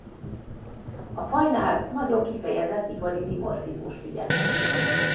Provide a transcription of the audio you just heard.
A fajnál nagyon kifejezett ivari dimorfizmus figyelhető meg.